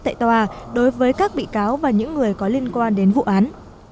tại tòa đối với các bị cáo và những người có liên quan đến vụ án